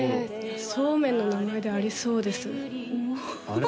そうめんの名前でありそうですあれ？